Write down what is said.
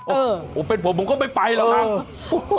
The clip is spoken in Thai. โอ้โฮเป็นผมผมก็ไม่ไปแล้วค่ะ